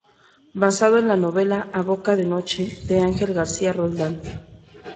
Basado en la novela "A boca de noche" de Ángel García Roldán.